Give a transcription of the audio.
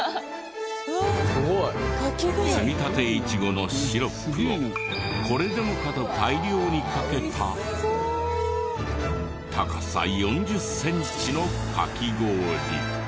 摘みたてイチゴのシロップをこれでもかと大量にかけた高さ４０センチのかき氷。